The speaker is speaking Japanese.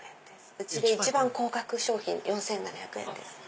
うちで一番高額商品４７００円です。